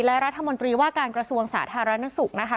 และรัฐมนตรีว่าการกระทรวงสาธารณสุขนะคะ